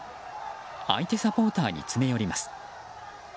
相手サポーターに詰め寄ります。